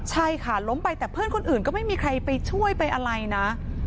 ใช่ค่ะล้มไปแต่เพื่อนคนอื่นก็ไม่มีใครไปช่วยไปอะไรนะ